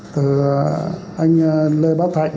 từ anh lê bác thạnh